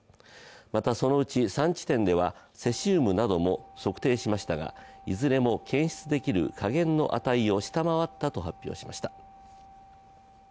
また、そのうち３地点ではセシウムなども測定しましたがいずれも検出できる下限の値を下回ったと発表しました。